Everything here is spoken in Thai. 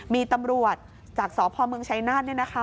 มีตำรวจจากสพเมืองชัยนาศเนี่ยนะคะ